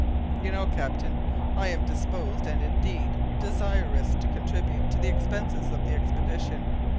"You know, captain, I am disposed, and, indeed, desirous to contribute to the expenses of the expedition.